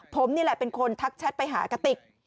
ผมนี่แหละเป็นคนทักแชทไปหากติก